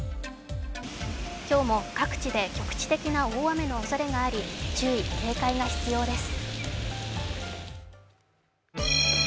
今日も各地で局地的な大雨のおそれがあり注意・警戒が必要です。